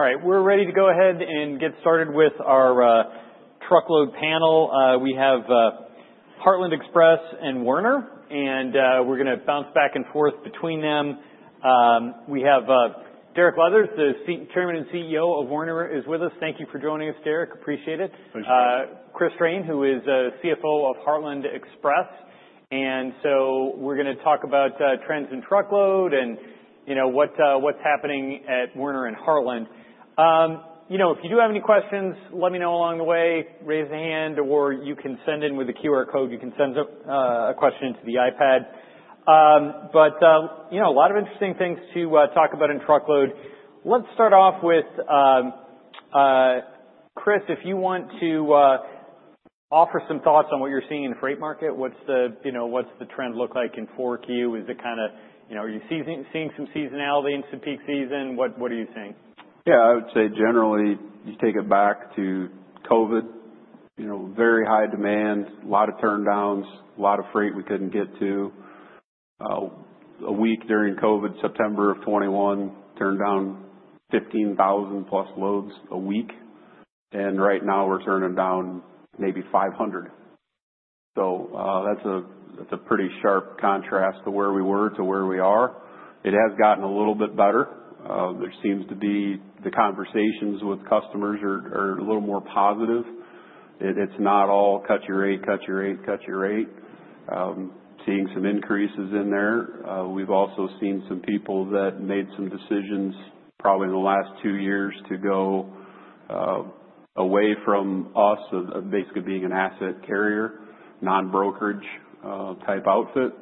All right. We're ready to go ahead and get started with our truckload panel. We have Heartland Express and Werner, and we're gonna bounce back and forth between them. We have Derek Leathers, the Chairman and CEO of Werner, with us. Thank you for joining us, Derek. Appreciate it. Appreciate it. Chris Strain, who is CFO of Heartland Express. So we're gonna talk about trends in truckload and, you know, what's happening at Werner and Heartland. You know, if you do have any questions, let me know along the way. Raise a hand, or you can send in with a QR code. You can send a question into the iPad. But, you know, a lot of interesting things to talk about in truckload. Let's start off with Chris, if you want to offer some thoughts on what you're seeing in the freight market. What's the, you know, what's the trend look like in Q4? Is it kinda, you know, are you seeing some seasonality in some peak season? What are you seeing? Yeah. I would say generally you take it back to COVID, you know, very high demand, a lot of turndowns, a lot of freight we couldn't get to. A week during COVID, September of 2021, turned down 15,000-plus loads a week. And right now we're turning down maybe 500. So, that's a, that's a pretty sharp contrast to where we were, to where we are. It has gotten a little bit better. There seems to be the conversations with customers are, are a little more positive. It, it's not all cut your rate, cut your rate, cut your rate. Seeing some increases in there. We've also seen some people that made some decisions probably in the last two years to go away from us, basically being an asset carrier, non-brokerage type outfit,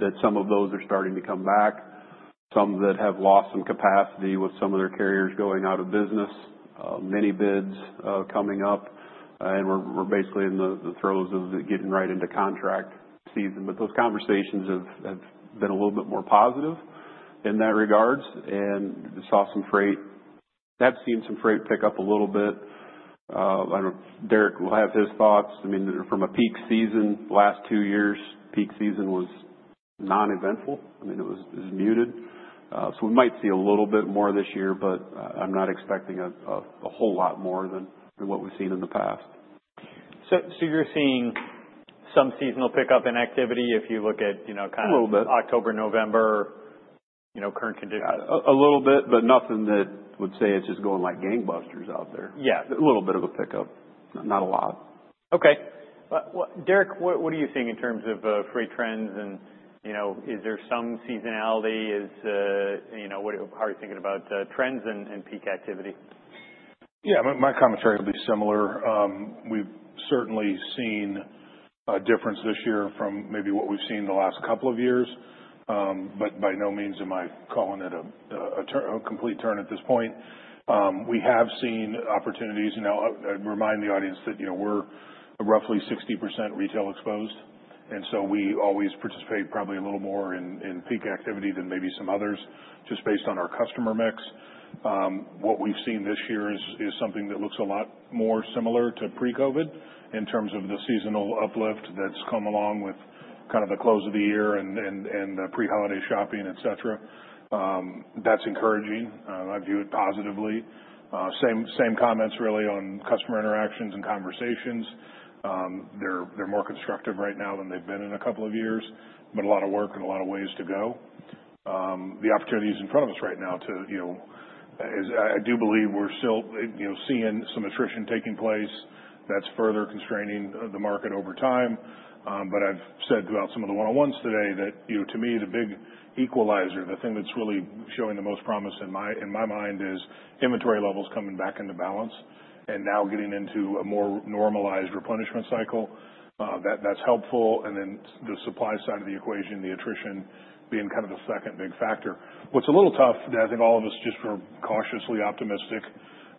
that some of those are starting to come back, some that have lost some capacity with some of their carriers going out of business, mini-bids coming up. We're basically in the throes of getting right into contract season. Those conversations have been a little bit more positive in that regards. And we saw some freight, have seen some freight pick up a little bit. I don't know if Derek will have his thoughts. I mean, from a peak season, last two years, peak season was non-eventful. I mean, it was muted. So we might see a little bit more this year, but I'm not expecting a whole lot more than what we've seen in the past. So, you're seeing some seasonal pickup in activity if you look at, you know, kind of. A little bit. October, November, you know, current conditions. A little bit, but nothing that would say it's just going like gangbusters out there. Yeah. A little bit of a pickup, not a lot. Okay. But what, Derek, are you seeing in terms of freight trends? And, you know, is there some seasonality? You know, what are you, how are you thinking about trends and peak activity? Yeah. My commentary would be similar. We've certainly seen a difference this year from maybe what we've seen the last couple of years. But by no means am I calling it a complete turn at this point. We have seen opportunities. And now, I remind the audience that, you know, we're roughly 60% retail exposed. And so we always participate probably a little more in peak activity than maybe some others just based on our customer mix. What we've seen this year is something that looks a lot more similar to pre-COVID in terms of the seasonal uplift that's come along with kind of the close of the year and the pre-holiday shopping, etc. That's encouraging. I view it positively. Same comments really on customer interactions and conversations. They're more constructive right now than they've been in a couple of years, but a lot of work and a lot of ways to go. The opportunities in front of us right now, you know, I do believe we're still, you know, seeing some attrition taking place that's further constraining the market over time. But I've said throughout some of the one-on-ones today that, you know, to me, the big equalizer, the thing that's really showing the most promise in my mind is inventory levels coming back into balance and now getting into a more normalized replenishment cycle. That's helpful. And then the supply side of the equation, the attrition being kind of the second big factor. What's a little tough, and I think all of us just were cautiously optimistic,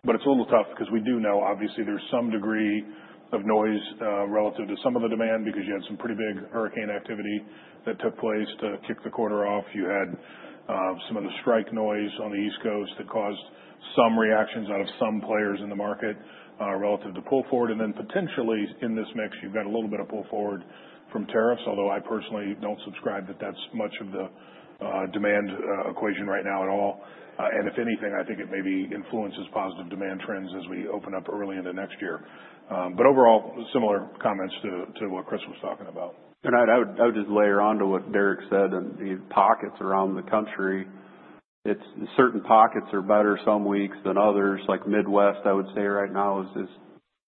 but it's a little tough because we do know, obviously, there's some degree of noise relative to some of the demand because you had some pretty big hurricane activity that took place to kick the quarter off. You had some of the strike noise on the East Coast that caused some reactions out of some players in the market relative to pull forward. And then potentially in this mix, you've got a little bit of pull forward from tariffs, although I personally don't subscribe that that's much of the demand equation right now at all. And if anything, I think it maybe influences positive demand trends as we open up early into next year. But overall, similar comments to what Chris was talking about. I would just layer on to what Derek said and the pockets around the country. In certain pockets are better some weeks than others. Like Midwest, I would say right now is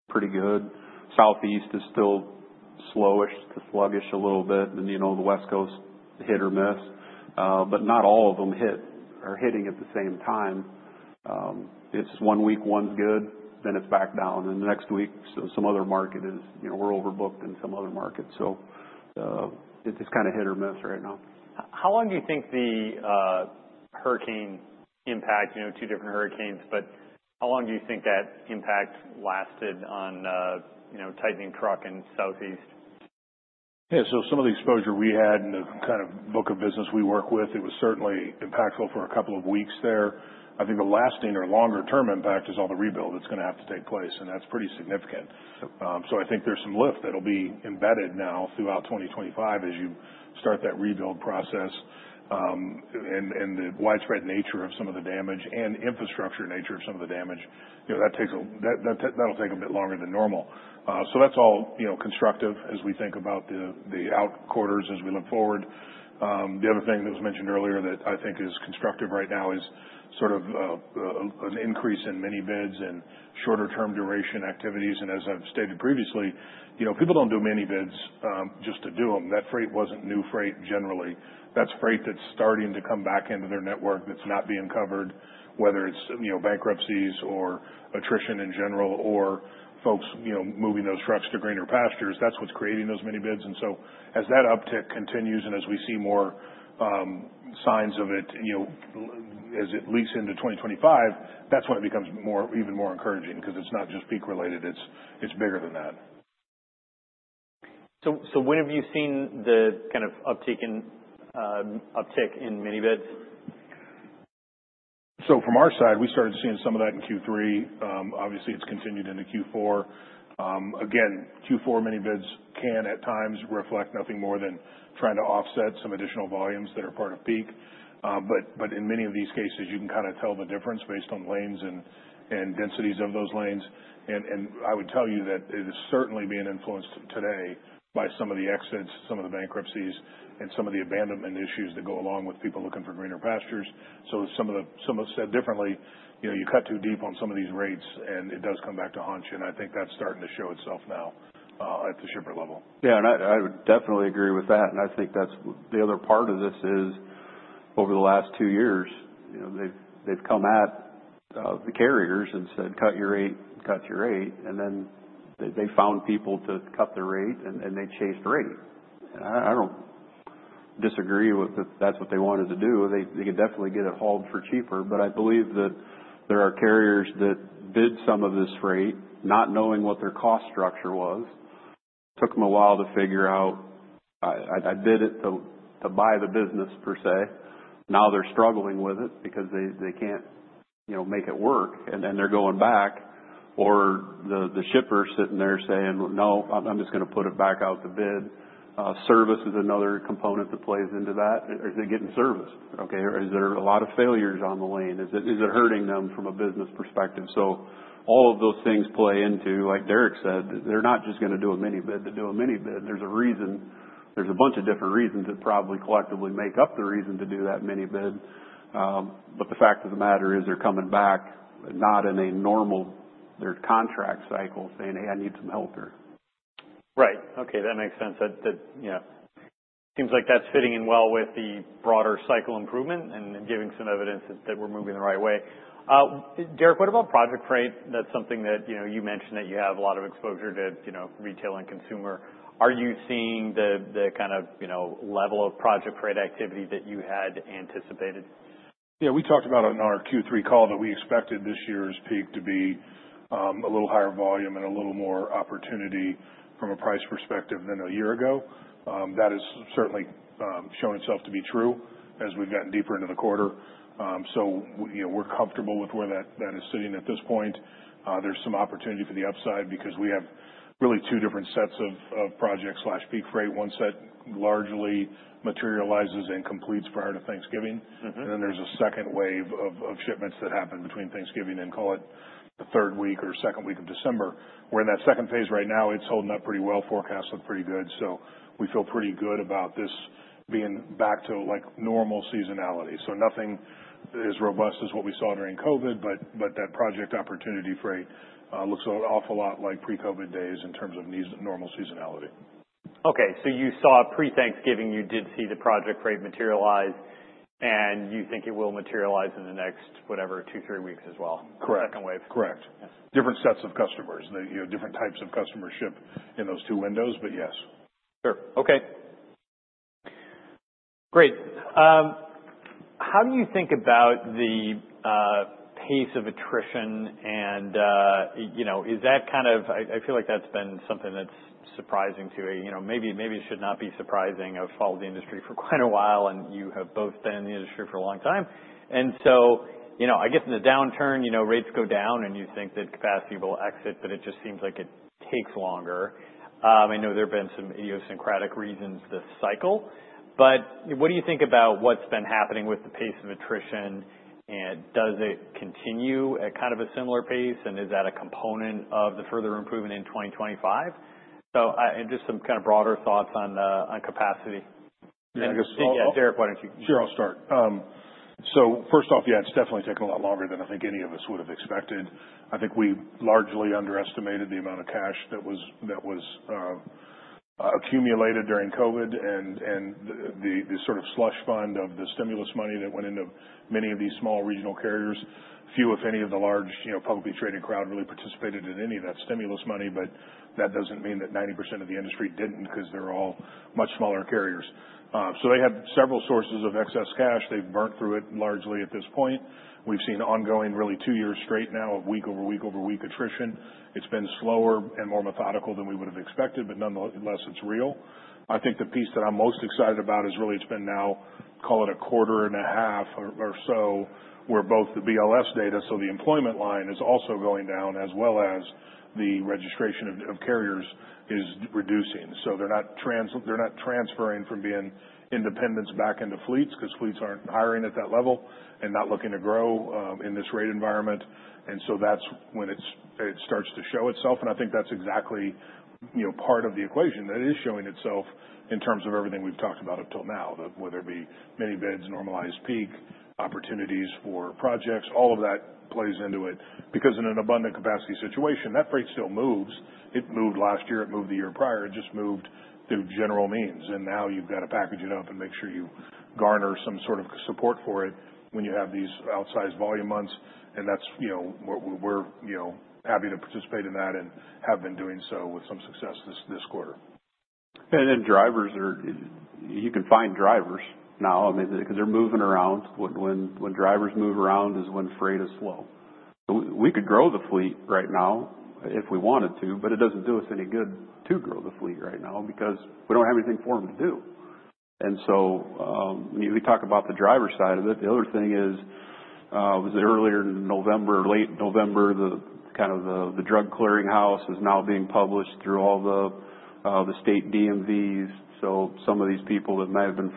pretty good. Southeast is still slowish to sluggish a little bit. And you know, the West Coast hit or miss, but not all of them hit are hitting at the same time. It's one week, one's good, then it's back down. And the next week, so some other market is, you know, we're overbooked in some other market. So it's just kind of hit or miss right now. How long do you think the hurricane impact, you know, two different hurricanes, but how long do you think that impact lasted on, you know, volumes and rates and Southeast? Yeah. So some of the exposure we had in the kind of book of business we work with, it was certainly impactful for a couple of weeks there. I think the lasting or longer-term impact is all the rebuild that's gonna have to take place, and that's pretty significant, so I think there's some lift that'll be embedded now throughout 2025 as you start that rebuild process, and the widespread nature of some of the damage and infrastructure nature of some of the damage, you know, that'll take a bit longer than normal, so that's all, you know, constructive as we think about the out quarters as we look forward. The other thing that was mentioned earlier that I think is constructive right now is sort of an increase in mini-bids and shorter-term duration activities. And as I've stated previously, you know, people don't do mini-bids, just to do them. That freight wasn't new freight generally. That's freight that's starting to come back into their network that's not being covered, whether it's, you know, bankruptcies or attrition in general or folks, you know, moving those trucks to greener pastures. That's what's creating those mini-bids. And so as that uptick continues and as we see more signs of it, you know, as it leaks into 2025, that's when it becomes more even more encouraging because it's not just peak related. It's bigger than that. When have you seen the kind of uptick in mini-bids? So from our side, we started seeing some of that in Q3. Obviously, it's continued into Q4. Again, Q4 mini-bids can at times reflect nothing more than trying to offset some additional volumes that are part of peak. But in many of these cases, you can kind of tell the difference based on lanes and densities of those lanes. And I would tell you that it is certainly being influenced today by some of the exits, some of the bankruptcies, and some of the abandonment issues that go along with people looking for greener pastures. So, said differently, you know, you cut too deep on some of these rates, and it does come back to haunt. And I think that's starting to show itself now, at the shipper level. Yeah. And I would definitely agree with that. And I think that's the other part of this is over the last two years, you know, they've come at the carriers and said, "Cut your rate, cut your rate." And then they found people to cut their rate, and they chased rate. And I don't disagree with that that's what they wanted to do. They could definitely get it hauled for cheaper. But I believe that there are carriers that bid some of this freight, not knowing what their cost structure was. Took them a while to figure out I bid it too to buy the business per se. Now they're struggling with it because they can't, you know, make it work, and then they're going back. Or the shipper sitting there saying, "No, I'm just gonna put it back out to bid." Service is another component that plays into that. Are they getting service? Okay. Or is there a lot of failures on the lane? Is it hurting them from a business perspective? So all of those things play into, like Derek said, they're not just gonna do a mini-bid. To do a mini-bid, there's a reason. There's a bunch of different reasons that probably collectively make up the reason to do that mini-bid. But the fact of the matter is they're coming back, not in a normal their contract cycle saying, "Hey, I need some help here. Right. Okay. That makes sense. Yeah. Seems like that's fitting in well with the broader cycle improvement and giving some evidence that we're moving the right way. Derek, what about project freight? That's something that, you know, you mentioned that you have a lot of exposure to, you know, retail and consumer. Are you seeing the kind of, you know, level of project freight activity that you had anticipated? Yeah. We talked about on our Q3 call that we expected this year's peak to be a little higher volume and a little more opportunity from a price perspective than a year ago. That has certainly shown itself to be true as we've gotten deeper into the quarter, so we, you know, we're comfortable with where that is sitting at this point. There's some opportunity for the upside because we have really two different sets of projects/peak freight. One set largely materializes and completes prior to Thanksgiving. Mm-hmm. There’s a second wave of shipments that happen between Thanksgiving and, call it, the third week or second week of December. We’re in that second phase right now. It’s holding up pretty well. Forecasts look pretty good. We feel pretty good about this being back to like normal seasonality. Nothing is robust as what we saw during COVID, but that project opportunity freight looks an awful lot like pre-COVID days in terms of normal seasonality. Okay. So you saw pre-Thanksgiving, you did see the project freight materialize, and you think it will materialize in the next whatever, two, three weeks as well. Correct. Second wave. Correct. Yes. Different sets of customers, you know, different types of customership in those two windows, but yes. Sure. Okay. Great. How do you think about the pace of attrition and, you know, is that kind of, I, I feel like that's been something that's surprising to you. You know, maybe, maybe it should not be surprising. I've followed the industry for quite a while, and you have both been in the industry for a long time. And so, you know, I guess in the downturn, you know, rates go down, and you think that capacity will exit, but it just seems like it takes longer. I know there have been some idiosyncratic reasons this cycle, but what do you think about what's been happening with the pace of attrition? And does it continue at kind of a similar pace? And is that a component of the further improvement in 2025? So I, and just some kind of broader thoughts on, on capacity. Yeah. Just. And, Derek, why don't you? Sure. I'll start. So first off, yeah, it's definitely taken a lot longer than I think any of us would have expected. I think we largely underestimated the amount of cash that was accumulated during COVID and the sort of slush fund of the stimulus money that went into many of these small regional carriers. Few, if any, of the large, you know, publicly traded crowd really participated in any of that stimulus money, but that doesn't mean that 90% of the industry didn't because they're all much smaller carriers so they have several sources of excess cash. They've burned through it largely at this point. We've seen ongoing, really two years straight now of week over week over week attrition. It's been slower and more methodical than we would have expected, but nonetheless, it's real. I think the piece that I'm most excited about is really it's been now, call it a quarter and a half or, or so where both the BLS data, so the employment line is also going down, as well as the registration of, of carriers is reducing. So they're not transferring from being independents back into fleets because fleets aren't hiring at that level and not looking to grow, in this rate environment. That's when it starts to show itself. I think that's exactly, you know, part of the equation that is showing itself in terms of everything we've talked about up till now, that whether it be mini-bids, normalized peak, opportunities for projects, all of that plays into it because in an abundant capacity situation, that freight still moves. It moved last year. It moved the year prior. It just moved through general means. And now you've got to package it up and make sure you garner some sort of support for it when you have these outsized volume months. And that's, you know, what we're happy to participate in that and have been doing so with some success this quarter. Drivers. You can find drivers now, I mean, because they're moving around. When drivers move around is when freight is slow. So we could grow the fleet right now if we wanted to, but it doesn't do us any good to grow the fleet right now because we don't have anything for them to do. When we talk about the driver side of it, the other thing is, was it earlier in November or late November, the Drug Clearinghouse is now being published through all the state DMVs. So some of these people that might have been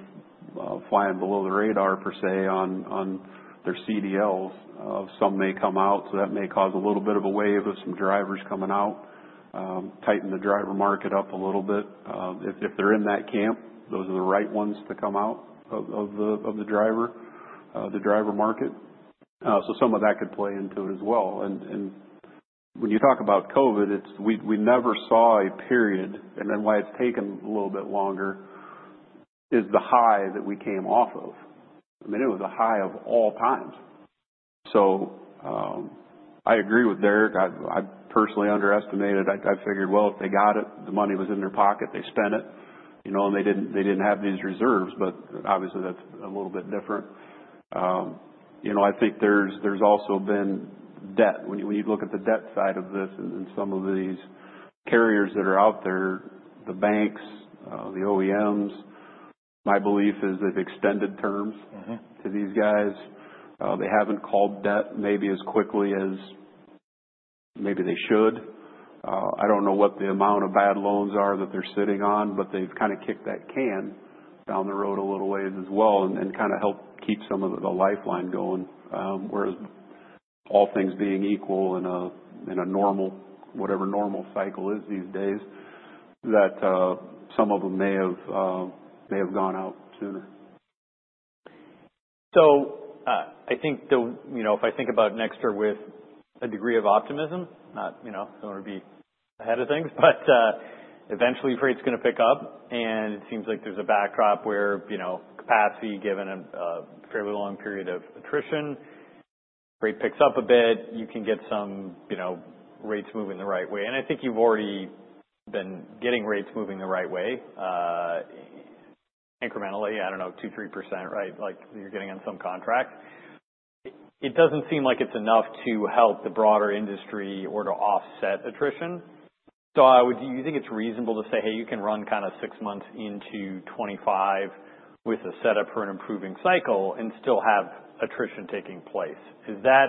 flying below the radar per se on their CDLs, some may come out. So that may cause a little bit of a wave of some drivers coming out, tighten the driver market up a little bit. If they're in that camp, those are the right ones to come out of the driver market, so some of that could play into it as well, and when you talk about COVID, it's. We never saw a period, and then why it's taken a little bit longer is the high that we came off of. I mean, it was the high of all times, so I agree with Derek. I personally underestimated. I figured, well, if they got it, the money was in their pocket, they spent it, you know, and they didn't have these reserves, but obviously that's a little bit different. You know, I think there's also been debt. When you look at the debt side of this and some of these carriers that are out there, the banks, the OEMs, my belief is they've extended terms. Mm-hmm. To these guys, they haven't called debt maybe as quickly as maybe they should. I don't know what the amount of bad loans are that they're sitting on, but they've kind of kicked that can down the road a little ways as well and kind of helped keep some of the lifeline going. Whereas all things being equal in a normal, whatever normal cycle is these days, some of them may have gone out sooner. I think the, you know, if I think about next year with a degree of optimism, not, you know, I don't wanna be ahead of things, but eventually freight's gonna pick up. And it seems like there's a backdrop where, you know, capacity given a fairly long period of attrition, freight picks up a bit, you can get some, you know, rates moving the right way. And I think you've already been getting rates moving the right way, incrementally, I don't know, 2, 3%, right? Like you're getting on some contracts. It doesn't seem like it's enough to help the broader industry or to offset attrition. So I would, do you think it's reasonable to say, "Hey, you can run kind of six months into 2025 with a setup for an improving cycle and still have attrition taking place"? Is that,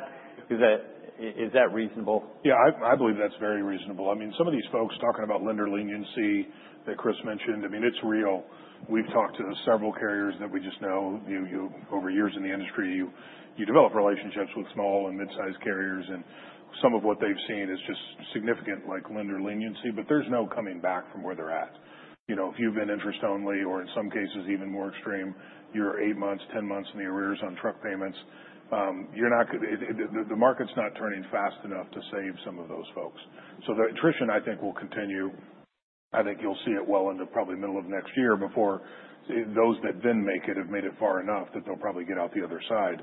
is that, is that reasonable? Yeah. I believe that's very reasonable. I mean, some of these folks talking about lender leniency that Chris mentioned, I mean, it's real. We've talked to several carriers that we just know. You over years in the industry, you develop relationships with small and mid-sized carriers. And some of what they've seen is just significant, like lender leniency, but there's no coming back from where they're at. You know, if you've been interest only or in some cases even more extreme, you're eight months, 10 months in the arrears on truck payments, you're not, the market's not turning fast enough to save some of those folks. So the attrition, I think, will continue. I think you'll see it well into probably middle of next year before those that then make it have made it far enough that they'll probably get out the other side.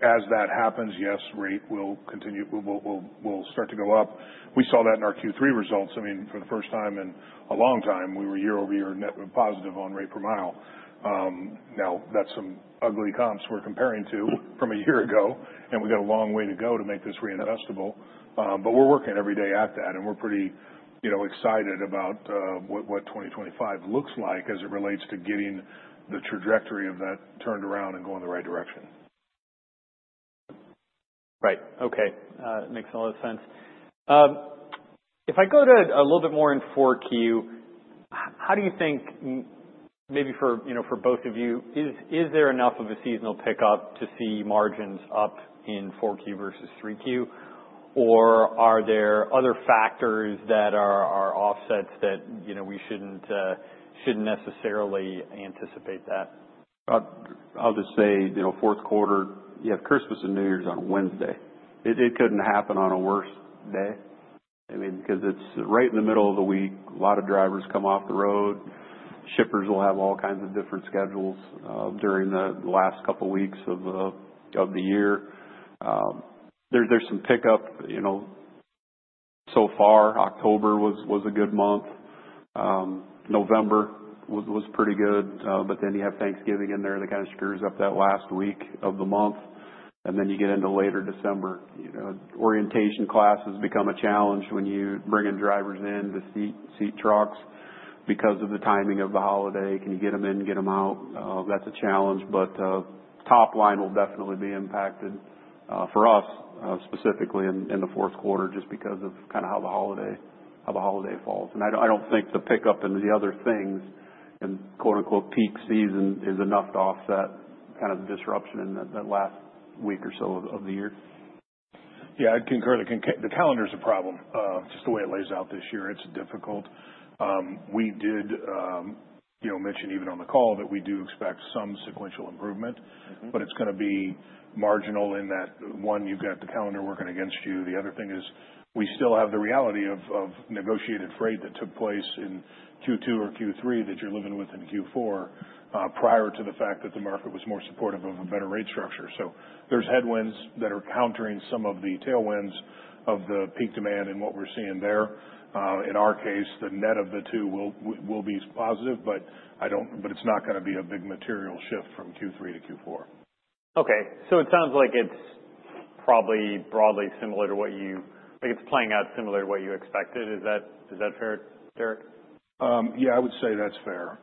As that happens, yes, rate will continue. We'll start to go up. We saw that in our Q3 results. I mean, for the first time in a long time, we were year-over-year net positive on rate per mile. Now that's some ugly comps we're comparing to from a year ago, and we got a long way to go to make this reinvestable. But we're working every day at that, and we're pretty, you know, excited about what 2025 looks like as it relates to getting the trajectory of that turned around and going the right direction. Right. Okay. Makes a lot of sense. If I go to a little bit more in 4Q, how do you think maybe for, you know, for both of you, is there enough of a seasonal pickup to see margins up in 4Q versus 3Q, or are there other factors that are offsets that, you know, we shouldn't necessarily anticipate that? I'll just say, you know, fourth quarter, you have Christmas and New Year's on Wednesday. It couldn't happen on a worse day. I mean, because it's right in the middle of the week. A lot of drivers come off the road. Shippers will have all kinds of different schedules during the last couple weeks of the year. There, there's some pickup, you know, so far. October was a good month. November was pretty good. But then you have Thanksgiving in there that kind of screws up that last week of the month, and then you get into later December. You know, orientation classes become a challenge when you bring in drivers into seat trucks because of the timing of the holiday. Can you get them in, get them out? That's a challenge. Top line will definitely be impacted for us specifically in the fourth quarter just because of kind of how the holiday falls. I don't think the pickup and the other things in "peak season" is enough to offset kind of the disruption in that last week or so of the year. Yeah. I'd concur that the calendar's a problem. Just the way it lays out this year, it's difficult. We did, you know, mention even on the call that we do expect some sequential improvement. Mm-hmm. But it's gonna be marginal in that one. You've got the calendar working against you. The other thing is we still have the reality of, of negotiated freight that took place in Q2 or Q3 that you're living with in Q4, prior to the fact that the market was more supportive of a better rate structure. So there's headwinds that are countering some of the tailwinds of the peak demand and what we're seeing there. In our case, the net of the two will, will be positive, but I don't, but it's not gonna be a big material shift from Q3 to Q4. Okay. So it sounds like it's probably broadly similar to what you, like it's playing out similar to what you expected. Is that, is that fair, Derek? Yeah, I would say that's fair.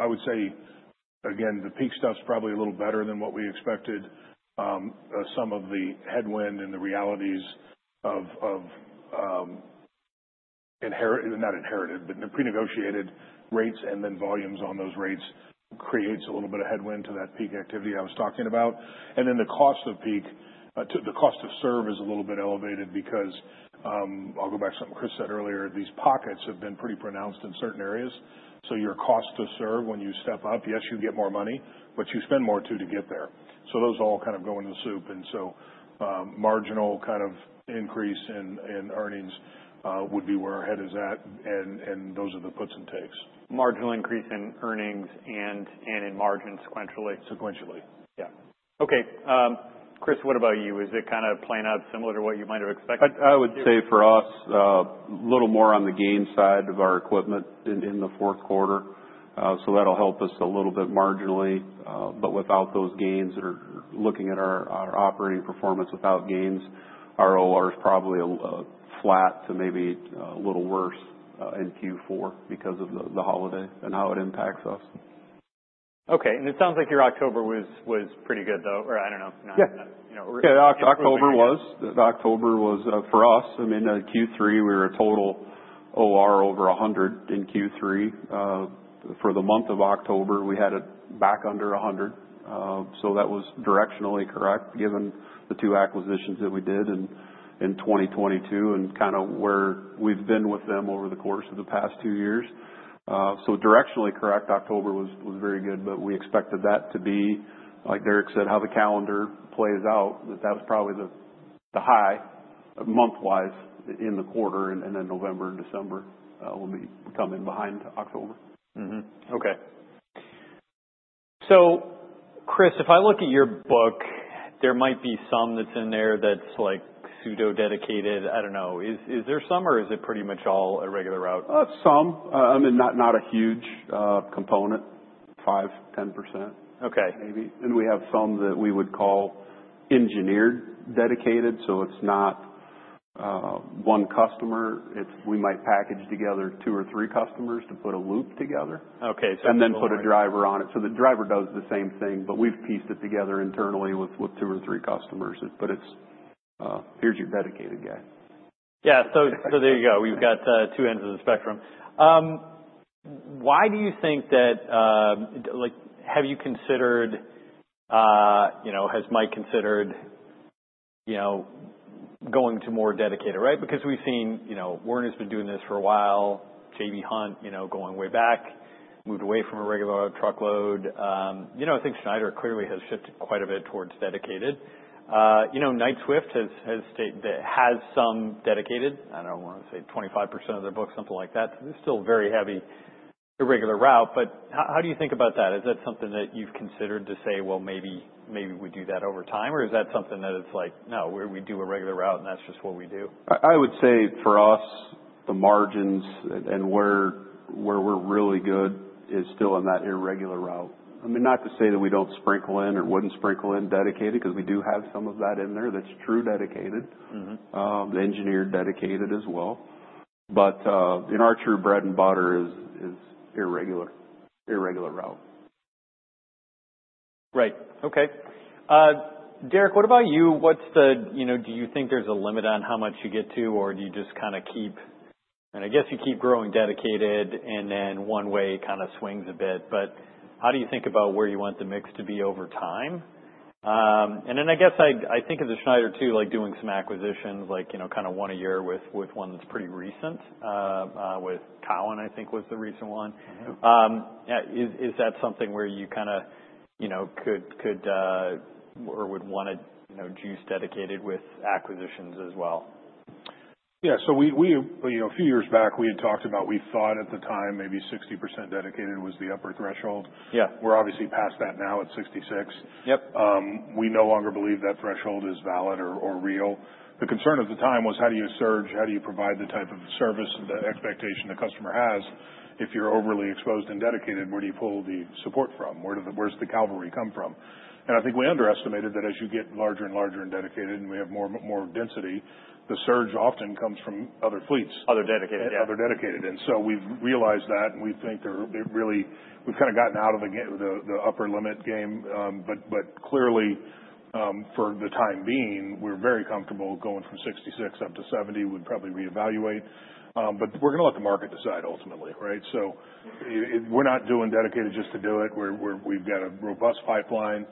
I would say, again, the peak stuff's probably a little better than what we expected. Some of the headwind and the realities of, of, inherited, not inherited, but the pre-negotiated rates and then volumes on those rates creates a little bit of headwind to that peak activity I was talking about. And then the cost of peak, to the cost of serve is a little bit elevated because, I'll go back to something Chris said earlier. These pockets have been pretty pronounced in certain areas. So your cost to serve when you step up, yes, you get more money, but you spend more too to get there. So those all kind of go into the soup. And so, marginal kind of increase in, in earnings, would be where our head is at. And, and those are the puts and takes. Marginal increase in earnings and in margins sequentially. Sequentially. Yeah. Okay. Chris, what about you? Is it kind of playing out similar to what you might have expected? I would say for us a little more on the gain side of our equipment in the fourth quarter, so that'll help us a little bit marginally, but without those gains or looking at our operating performance without gains, our OR's probably a flat to maybe a little worse in Q4 because of the holiday and how it impacts us. Okay. And it sounds like your October was pretty good though, or I don't know. Yeah. You know. Yeah. October was for us. I mean, Q3, we were a total OR over 100 in Q3. For the month of October, we had it back under 100. So that was directionally correct given the two acquisitions that we did in 2022 and kind of where we've been with them over the course of the past two years. So directionally correct, October was very good, but we expected that to be, like Derek said, how the calendar plays out, that that was probably the high month-wise in the quarter and then November and December will be coming behind October. So Chris, if I look at your book, there might be some that's in there that's like pseudo-dedicated. I don't know. Is there some or is it pretty much all a regular route? Some. I mean, not a huge component. 5%-10%. Okay. Maybe. And we have some that we would call engineered dedicated. So it's not one customer. It's we might package together two or three customers to put a loop together. Okay. So. And then put a driver on it. So the driver does the same thing, but we've pieced it together internally with two or three customers. But it's, here's your dedicated guy. Yeah. So, so there you go. We've got two ends of the spectrum. Why do you think that, like, have you considered, you know, has Mike considered, you know, going to more dedicated, right? Because we've seen, you know, Werner's been doing this for a while, J.B. Hunt, you know, going way back, moved away from a regular truckload. You know, I think Schneider clearly has shifted quite a bit towards dedicated. You know, Knight-Swift has, has stated that has some dedicated, I don't wanna say 25% of their book, something like that. It's still very heavy irregular route. But how, how do you think about that? Is that something that you've considered to say, "Well, maybe, maybe we do that over time"? Or is that something that it's like, "No, we do a regular route and that's just what we do"? I would say for us, the margins and where we're really good is still in that irregular route. I mean, not to say that we don't sprinkle in or wouldn't sprinkle in dedicated 'cause we do have some of that in there that's true dedicated. Mm-hmm. the engineered dedicated as well. But, you know, our true bread and butter is irregular route. Right. Okay. Derek, what about you? What's the, you know, do you think there's a limit on how much you get to, or do you just kind of keep, and I guess you keep growing dedicated and then one way kind of swings a bit, but how do you think about where you want the mix to be over time? And then I guess I think of the Schneider too, like doing some acquisitions, like, you know, kind of one a year with one that's pretty recent. With Cowan, I think was the recent one. Mm-hmm. Is that something where you kind of, you know, could or would wanna, you know, juice dedicated with acquisitions as well? Yeah. So we, you know, a few years back, we had talked about, we thought at the time maybe 60% dedicated was the upper threshold. Yeah. We're obviously past that now at 66. Yep. We no longer believe that threshold is valid or real. The concern at the time was how do you surge, how do you provide the type of service that expectation the customer has? If you're overly exposed and dedicated, where do you pull the support from? Where's the cavalry come from? And I think we underestimated that as you get larger and larger and dedicated and we have more density, the surge often comes from other fleets. Other dedicated. Yeah. Other dedicated. And so we've realized that and we think that it really, we've kind of gotten out of the upper limit game. But clearly, for the time being, we're very comfortable going from 66 up to 70. We'd probably reevaluate. But we're gonna let the market decide ultimately, right? So we're not doing dedicated just to do it. We're, we've got a robust pipeline,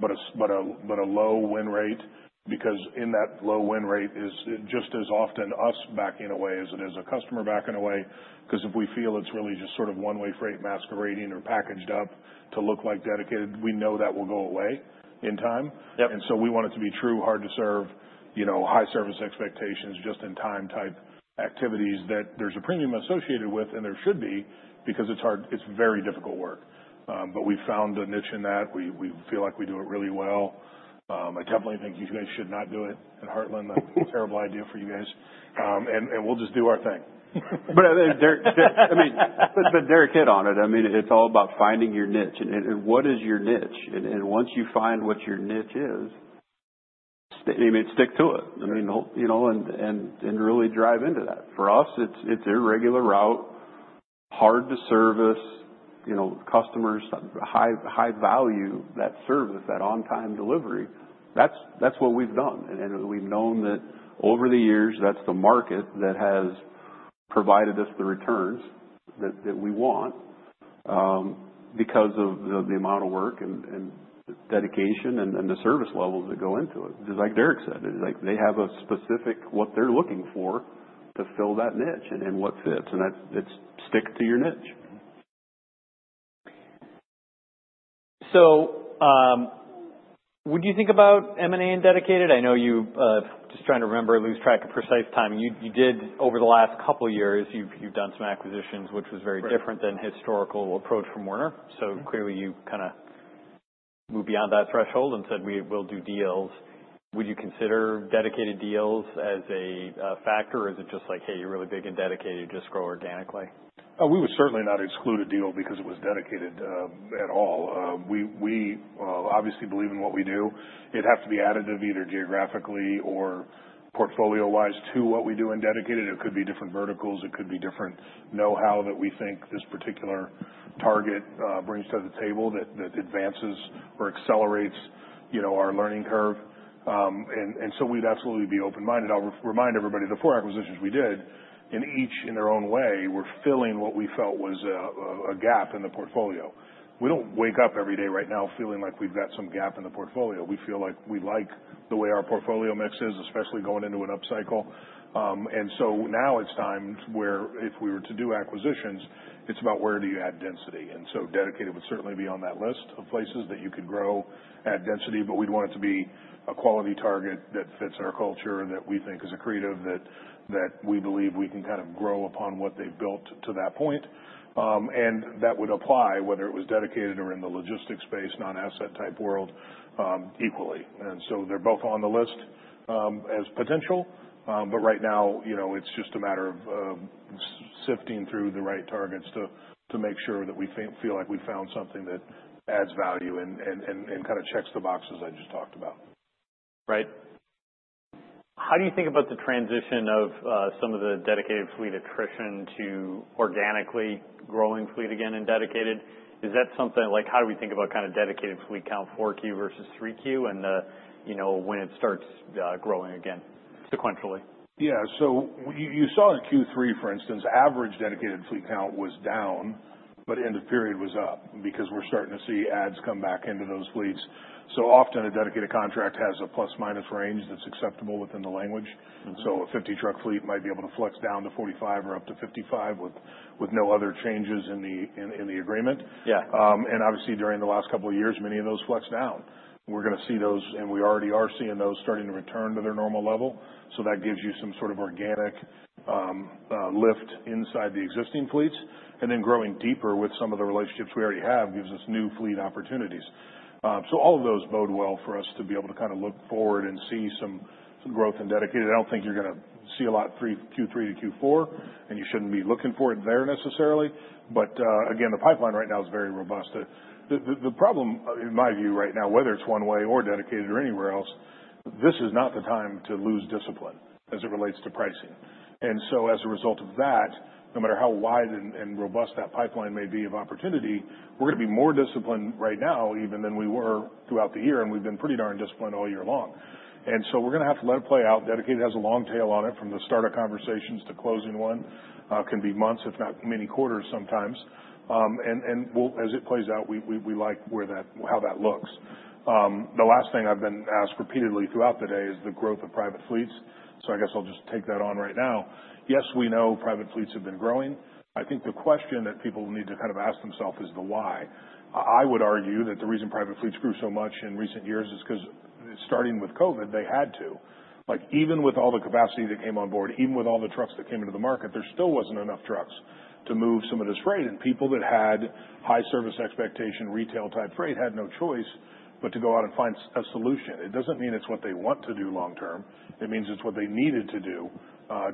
but a low win rate because in that low win rate is just as often us backing away as it is a customer backing away. 'Cause if we feel it's really just sort of one-way freight masquerading or packaged up to look like dedicated, we know that will go away in time. Yep. And so we want it to be true, hard to serve, you know, high service expectations just in time type activities that there's a premium associated with and there should be because it's hard. It's very difficult work. But we've found a niche in that. We feel like we do it really well. I definitely think you guys should not do it in Heartland. That's a terrible idea for you guys. And we'll just do our thing. But, Derek, I mean, Derek hit on it. I mean, it's all about finding your niche. And what is your niche? And once you find what your niche is, stick, I mean, stick to it. I mean, you know, and really drive into that. For us, it's irregular route, hard to service, you know, customers, high value that service, that on-time delivery. That's what we've done. And we've known that over the years, that's the market that has provided us the returns that we want, because of the amount of work and dedication and the service levels that go into it. Just like Derek said, it's like they have a specific what they're looking for to fill that niche and what fits. And that's it, stick to your niche. So, would you think about M&A and dedicated? I know, just trying to remember, lose track of precise time. You did over the last couple years. You've done some acquisitions, which was very different than historical approach from Werner. So clearly you kind of moved beyond that threshold and said, "We will do deals." Would you consider dedicated deals as a factor or is it just like, "Hey, you're really big in dedicated, just grow organically"? We would certainly not exclude a deal because it was dedicated, at all. We obviously believe in what we do. It'd have to be additive either geographically or portfolio-wise to what we do in dedicated. It could be different verticals. It could be different know-how that we think this particular target brings to the table that advances or accelerates, you know, our learning curve, and so we'd absolutely be open-minded. I'll remind everybody the four acquisitions we did, in each in their own way, were filling what we felt was a gap in the portfolio. We don't wake up every day right now feeling like we've got some gap in the portfolio. We feel like we like the way our portfolio mix is, especially going into an upcycle. And so now it's timed where if we were to do acquisitions, it's about where do you add density. And so dedicated would certainly be on that list of places that you could grow, add density, but we'd want it to be a quality target that fits our culture that we think is accretive, that we believe we can kind of grow upon what they've built to that point. And that would apply whether it was dedicated or in the logistics-based, non-asset type world, equally. And so they're both on the list, as potential. But right now, you know, it's just a matter of sifting through the right targets to make sure that we feel like we found something that adds value and kind of checks the boxes I just talked about. Right. How do you think about the transition of some of the dedicated fleet attrition to organically growing fleet again and dedicated? Is that something like how do we think about kind of dedicated fleet count, 4Q versus 3Q, and you know when it starts growing again sequentially? Yeah. So you saw in Q3, for instance, average dedicated fleet count was down, but end of period was up because we're starting to see adds come back into those fleets. So often a dedicated contract has a plus-minus range that's acceptable within the language. So a 50-truck fleet might be able to flex down to 45 or up to 55 with no other changes in the agreement. Yeah. And obviously, during the last couple of years, many of those flexed down. We're gonna see those, and we already are seeing those starting to return to their normal level. So that gives you some sort of organic lift inside the existing fleets. And then growing deeper with some of the relationships we already have gives us new fleet opportunities. So all of those bode well for us to be able to kind of look forward and see some growth in dedicated. I don't think you're gonna see a lot Q3 to Q4, and you shouldn't be looking for it there necessarily. But again, the pipeline right now is very robust. The problem in my view right now, whether it's one-way or dedicated or anywhere else, this is not the time to lose discipline as it relates to pricing. As a result of that, no matter how wide and robust that pipeline may be of opportunity, we're gonna be more disciplined right now even than we were throughout the year. We've been pretty darn disciplined all year long. We're gonna have to let it play out. Dedicated has a long tail on it from the start of conversations to closing one. It can be months, if not many quarters sometimes. As it plays out, we like where that, how that looks. The last thing I've been asked repeatedly throughout the day is the growth of private fleets. I guess I'll just take that on right now. Yes, we know private fleets have been growing. I think the question that people need to kind of ask themselves is the why. I, I would argue that the reason private fleets grew so much in recent years is 'cause starting with COVID, they had to. Like even with all the capacity that came on board, even with all the trucks that came into the market, there still wasn't enough trucks to move some of this freight, and people that had high service expectation, retail type freight had no choice but to go out and find a solution. It doesn't mean it's what they want to do long-term. It means it's what they needed to do,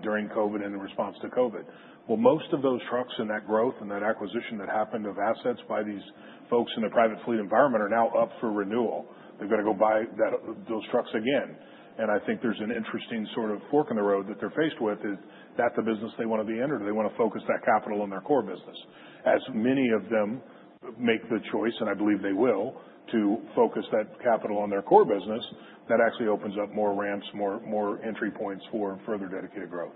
during COVID and in response to COVID, well, most of those trucks and that growth and that acquisition that happened of assets by these folks in the private fleet environment are now up for renewal. They've gotta go buy that, those trucks again. And I think there's an interesting sort of fork in the road that they're faced with. Is that the business they wanna be in, or do they wanna focus that capital on their core business? As many of them make the choice, and I believe they will, to focus that capital on their core business, that actually opens up more ramps, more, more entry points for further dedicated growth.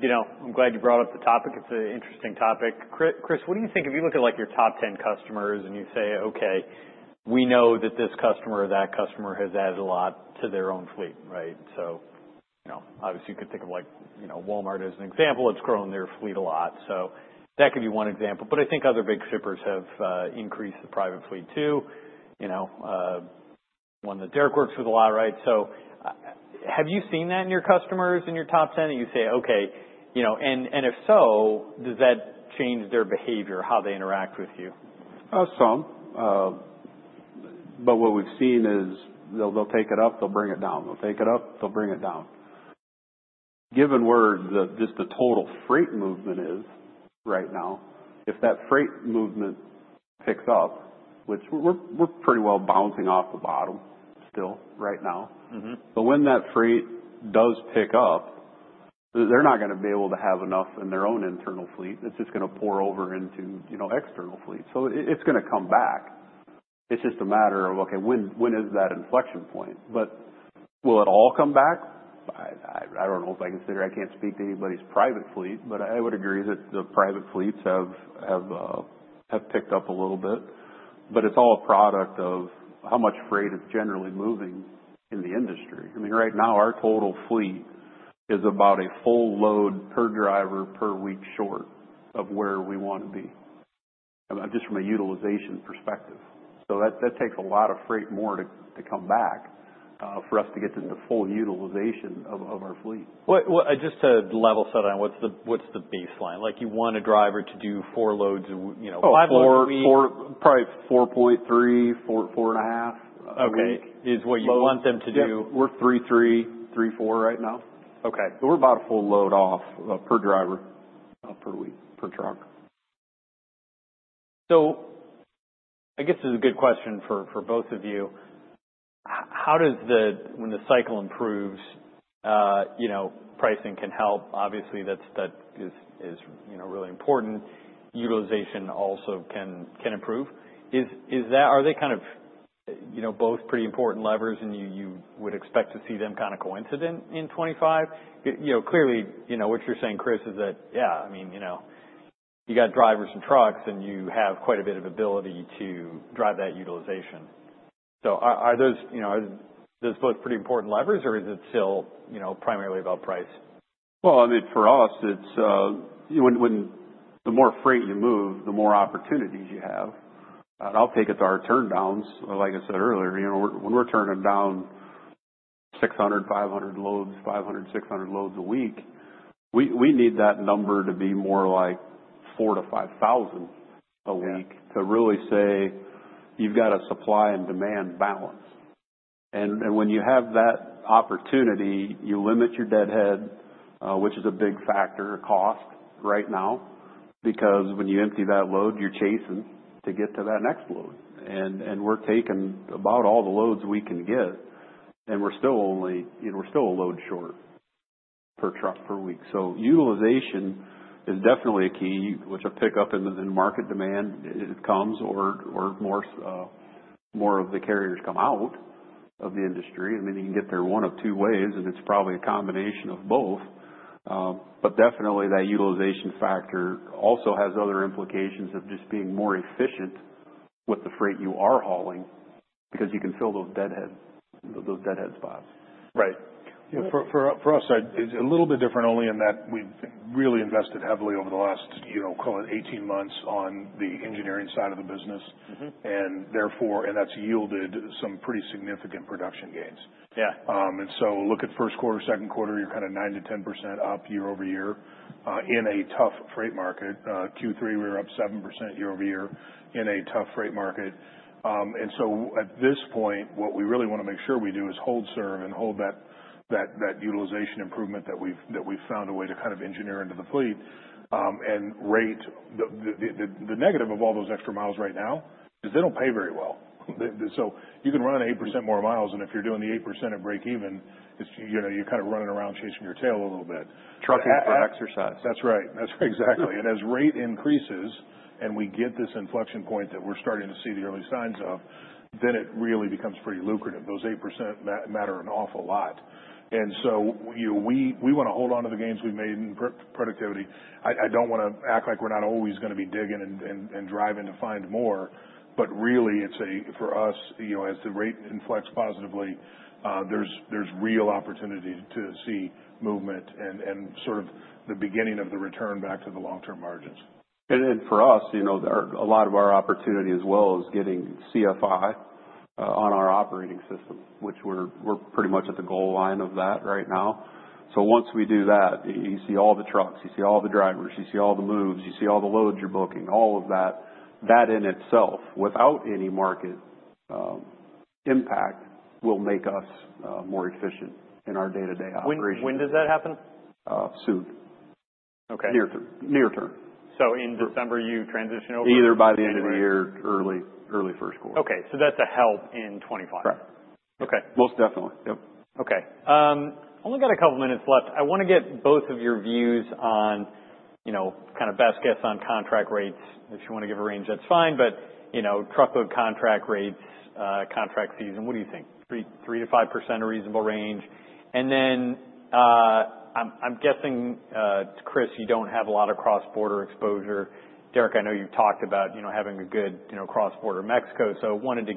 You know, I'm glad you brought up the topic. It's an interesting topic. Chris, what do you think if you look at like your top 10 customers and you say, "Okay, we know that this customer or that customer has added a lot to their own fleet," right? You know, obviously you could think of like, you know, Walmart as an example. It's grown their fleet a lot. So that could be one example. But I think other big shippers have increased the private fleet too, you know, one that Derek works with a lot, right? So have you seen that in your customers in your top 10 that you say, "Okay, you know, and if so, does that change their behavior, how they interact with you? Some. But what we've seen is they'll take it up, they'll bring it down. They'll take it up, they'll bring it down. Given where just the total freight movement is right now, if that freight movement picks up, which we're pretty well bouncing off the bottom still right now. Mm-hmm. But when that freight does pick up, they're not gonna be able to have enough in their own internal fleet. It's just gonna pour over into, you know, external fleet. So it, it's gonna come back. It's just a matter of, okay, when is that inflection point? But will it all come back? I don't know if I can sit here. I can't speak to anybody's private fleet, but I would agree that the private fleets have picked up a little bit. But it's all a product of how much freight is generally moving in the industry. I mean, right now our total fleet is about a full load per driver per week short of where we wanna be, just from a utilization perspective. So that takes a lot of freight more to come back, for us to get into full utilization of our fleet. What, just to level set on what's the baseline? Like you want a driver to do four loads in, you know, five loads a week? 4.4, probably 4.3, 4, 4.5 a week. Okay. Is what you want them to do? We're 3.3, 3.4 right now. Okay. We're about a full load off, per driver, per week, per truck. So I guess this is a good question for both of you. How does, when the cycle improves, you know, pricing can help? Obviously that's, that is, you know, really important. Utilization also can improve. Is that, are they kind of, you know, both pretty important levers and you would expect to see them kind of coincide in 2025? You know, clearly, you know, what you're saying, Chris, is that, yeah, I mean, you know, you got drivers and trucks and you have quite a bit of ability to drive that utilization. So are those, you know, both pretty important levers or is it still, you know, primarily about price? I mean, for us, it's when the more freight you move, the more opportunities you have. And I'll take it to our turndowns. Like I said earlier, you know, when we're turning down 500-600 loads a week, we need that number to be more like 4,000-5,000 a week to really say you've got a supply and demand balance. And when you have that opportunity, you limit your deadhead, which is a big factor, cost right now, because when you empty that load, you're chasing to get to that next load. And we're talking about all the loads we can get, and we're still only, you know, we're still a load short per truck per week. So utilization is definitely a key, which I pick up when market demand comes or more of the carriers come out of the industry. I mean, you can get there one of two ways, and it's probably a combination of both. But definitely that utilization factor also has other implications of just being more efficient with the freight you are hauling because you can fill those deadhead spots. Right. Yeah. For us, it's a little bit different only in that we've really invested heavily over the last, you know, call it 18 months on the engineering side of the business. Mm-hmm. Therefore, that's yielded some pretty significant production gains. Yeah. And so look at first quarter, second quarter. You're kind of 9%-10% up year-over-year in a tough freight market. Q3 we were up 7% year-over-year in a tough freight market. And so at this point, what we really wanna make sure we do is preserve and hold that utilization improvement that we've found a way to kind of engineer into the fleet, and the negative of all those extra miles right now is they don't pay very well. So you can run 8% more miles, and if you're doing the 8% at break even, it's, you know, you're kind of running around chasing your tail a little bit. Truck is for exercise. That's right. That's right. Exactly. And as rate increases and we get this inflection point that we're starting to see the early signs of, then it really becomes pretty lucrative. Those 8% matter an awful lot. And so, you know, we wanna hold on to the gains we've made in productivity. I don't wanna act like we're not always gonna be digging and driving to find more, but really it's a, for us, you know, as the rate inflects positively, there's real opportunity to see movement and sort of the beginning of the return back to the long-term margins. And, for us, you know, a lot of our opportunity as well is getting CFI on our operating system, which we're pretty much at the goal line of that right now. So once we do that, you see all the trucks, you see all the drivers, you see all the moves, you see all the loads you're booking, all of that, that in itself, without any market impact, will make us more efficient in our day-to-day operations. When does that happen? Soon. Okay. Near term, near term. In December you transition over? Either by the end of the year, early first quarter. Okay. So that's a help in 2025. Correct. Okay. Most definitely. Yep. Okay. Only got a couple minutes left. I wanna get both of your views on, you know, kind of best guess on contract rates. If you wanna give a range, that's fine. But, you know, truckload contract rates, contract season, what do you think? 3%-5% a reasonable range. And then, I'm guessing, Chris, you don't have a lot of cross-border exposure. Derek, I know you've talked about, you know, having a good, you know, cross-border Mexico. So I wanted to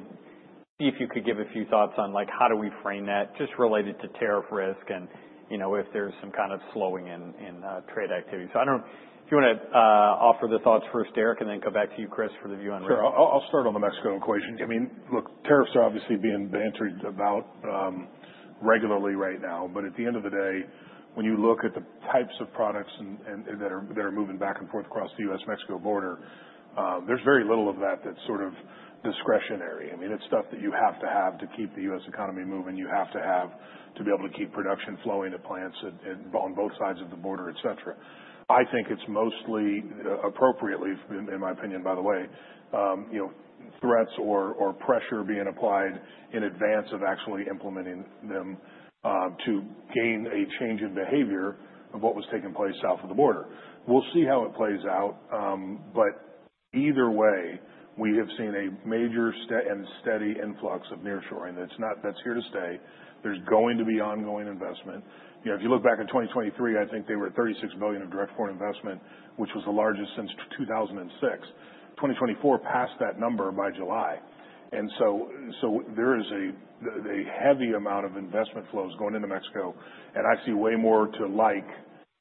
see if you could give a few thoughts on, like, how do we frame that just related to tariff risk and, you know, if there's some kind of slowing in trade activity. So I don't know if you wanna offer the thoughts first, Derek, and then come back to you, Chris, for the view on risk. Sure. I'll start on the Mexico equation. I mean, look, tariffs are obviously being talked about regularly right now. But at the end of the day, when you look at the types of products and that are moving back and forth across the U.S.-Mexico border, there's very little of that that's sort of discretionary. I mean, it's stuff that you have to have to keep the U.S. economy moving. You have to have to be able to keep production flowing to plants and on both sides of the border, et cetera. I think it's mostly, appropriately, in my opinion, by the way, you know, threats or pressure being applied in advance of actually implementing them, to gain a change in behavior of what was taking place south of the border. We'll see how it plays out. But either way, we have seen a major and steady influx of nearshoring that's here to stay. There's going to be ongoing investment. You know, if you look back at 2023, I think they were at $36 billion of direct foreign investment, which was the largest since 2006. 2024 passed that number by July. And so there is a heavy amount of investment flows going into Mexico, and I see way more to like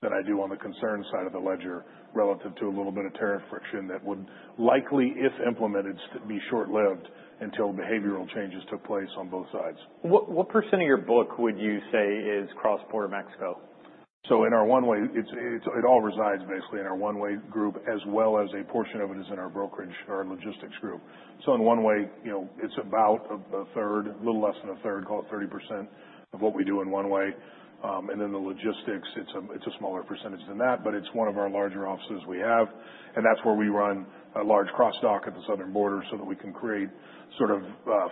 than I do on the concern side of the ledger relative to a little bit of tariff friction that would likely, if implemented, be short-lived until behavioral changes took place on both sides. What, what percent of your book would you say is cross-border Mexico? So in our one-way, it all resides basically in our one-way group, as well as a portion of it is in our brokerage or our logistics group. So in one-way, you know, it's about a third, a little less than a third, call it 30% of what we do in one-way. And then the logistics, it's a smaller percentage than that, but it's one of our larger offices we have. And that's where we run a large cross-dock at the Southern Border so that we can create sort of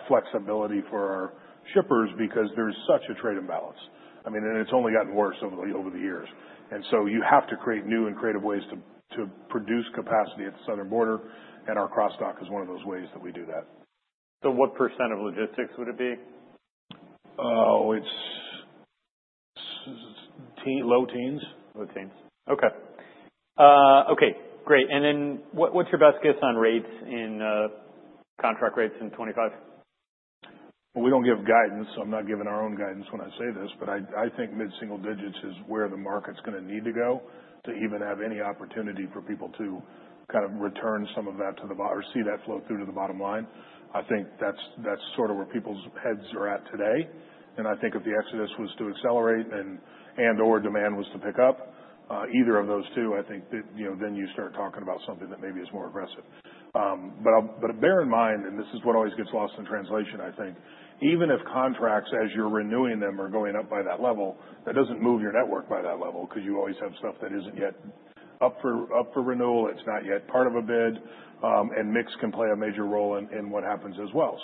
flexibility for our shippers because there's such a trade imbalance. I mean, and it's only gotten worse over the years. And so you have to create new and creative ways to produce capacity at the Southern Border. And our cross-dock is one of those ways that we do that. What percent of logistics would it be? Oh, it's the low teens. Low teens. Okay. Great. And then, what's your best guess on rates, contract rates in 2025? Well, we don't give guidance, so I'm not giving our own guidance when I say this, but I, I think mid-single digits is where the market's gonna need to go to even have any opportunity for people to kind of return some of that to the OR or see that flow through to the bottom line. I think that's sort of where people's heads are at today. And I think if the exodus was to accelerate and/or demand was to pick up, either of those two, I think that, you know, then you start talking about something that maybe is more aggressive. Bear in mind, and this is what always gets lost in translation, I think, even if contracts, as you're renewing them, are going up by that level, that doesn't move your network by that level 'cause you always have stuff that isn't yet up for renewal. It's not yet part of a bid, and mix can play a major role in what happens as well.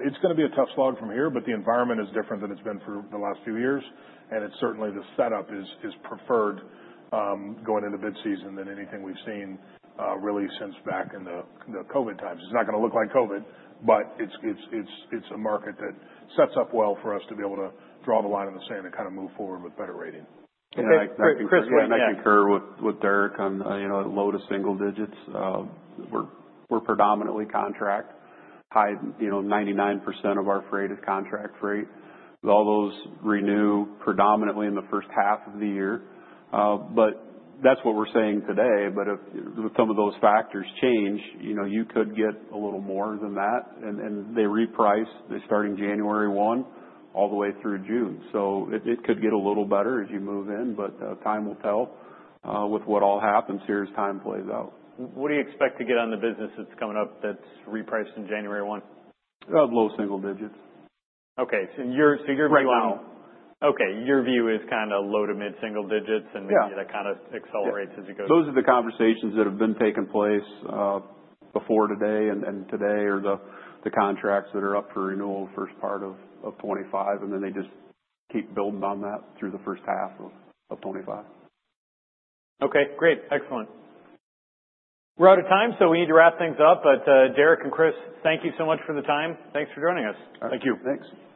It's gonna be a tough slog from here, but the environment is different than it's been for the last few years, and it's certainly the setup is preferred, going into bid season than anything we've seen, really since back in the COVID times. It's not gonna look like COVID, but it's a market that sets up well for us to be able to draw the line in the sand and kind of move forward with better rating. Okay. Chris, what? And I concur with Derek on, you know, low to single digits. We're predominantly contract. High, you know, 99% of our freight is contract freight. All those renew predominantly in the first half of the year. But that's what we're saying today. But if some of those factors change, you know, you could get a little more than that. And they reprice. They start in January 1 all the way through June. So it could get a little better as you move in, but time will tell, with what all happens here as time plays out. What do you expect to get on the business that's coming up that's repriced in January 1? Low single digits. Okay. So you're right now. Right now. Okay. Your view is kind of low to mid-single digits, and maybe that kind of accelerates as you go. Those are the conversations that have been taking place, before today and today are the contracts that are up for renewal first part of 2025, and then they just keep building on that through the first half of 2025. Okay. Great. Excellent. We're out of time, so we need to wrap things up. But, Derek and Chris, thank you so much for the time. Thanks for joining us. All right. Thank you. Thanks.